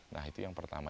nah itu yang pertama